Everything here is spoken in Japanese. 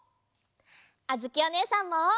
あづきおねえさんも！